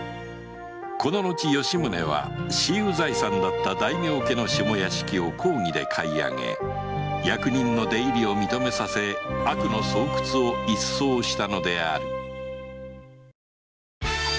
この後吉宗は私有財産だった大名家の下屋敷を公儀で買い上げ役人の出入りを認めさせ悪の巣窟を一掃したのである